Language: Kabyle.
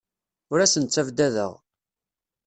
Ur asen-ttabdadeɣ.